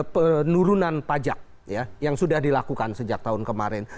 penurunan pajak yang sudah dilakukan sejak tahun kemarin